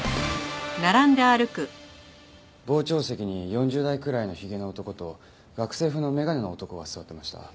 傍聴席に４０代くらいのひげの男と学生風の眼鏡の男が座っていました。